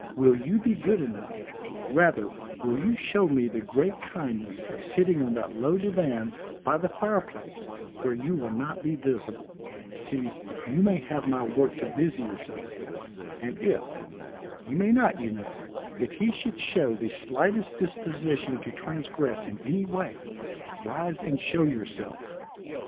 Will you be good enough rather will you show me the great kindness of sitting on that low divan by the fireplace where you will not be visible see, you may have my work to busy yourself with and if he may not, you know if he should show the slightest disposition to transgress in any way, rise and show yourself?"